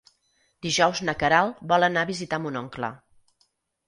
Dijous na Queralt vol anar a visitar mon oncle.